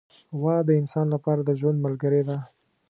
غوا د انسان لپاره د ژوند ملګرې ده.